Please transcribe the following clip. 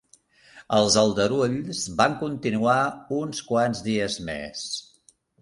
Els aldarulls van continuar uns quants dies més.